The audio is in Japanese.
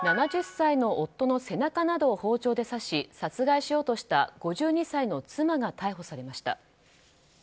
７０歳の夫の背中などを包丁で刺し殺害しようとした５２歳の妻が逮捕されました。